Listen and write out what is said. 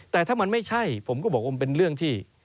แต่ถ้ามันไม่ใช่ผมก็บอกว่ามันเป็นเรื่องที่